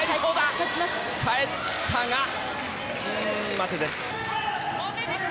返ったが、待てです。